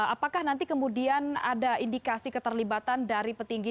apakah nanti kemudian ada indikasi keterlibatan dari petinggi